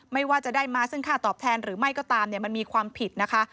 ไม่ว่าจะได้มาซึ่งค่าตอบแทนหรือไม่ก็ตามมันมีความผิดนะคะ